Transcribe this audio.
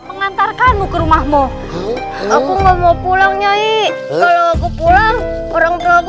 mengantarkanmu ke rumahmu aku mau pulang nyai kalau aku pulang orang tuaku